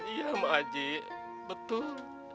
iya ma'ji betul